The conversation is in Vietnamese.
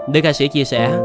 nơi ca sĩ chia sẻ